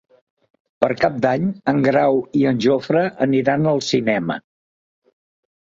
Per Cap d'Any en Grau i en Jofre aniran al cinema.